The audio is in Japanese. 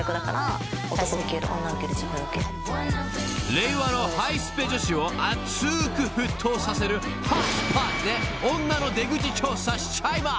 ［令和のハイスペ女子を熱く沸騰させるホットスポットで『オンナの出口調査』しちゃいます］